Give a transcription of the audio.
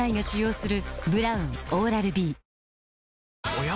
おや？